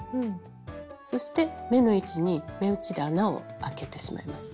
そして目の位置に目打ちで穴をあけてしまいます。